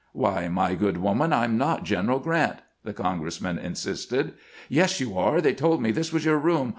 " Why, my good woman, I 'm not General Grant," the congressman insisted. " Yes, you are ; they told me this was your room.